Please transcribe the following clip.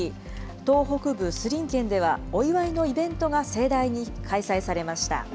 東北部スリン県では、お祝いのイベントが盛大に開催されました。